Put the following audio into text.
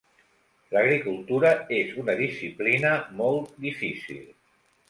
L'agricultura és una disciplina molt difícil.